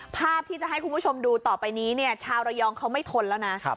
ภาพที่จะให้คุณผู้ชมดูต่อไปนี้เนี่ยชาวระยองเขาไม่ทนแล้วนะ